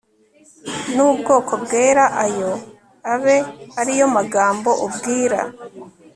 n ubwoko bwera ayo abe ari yo magambo ubwira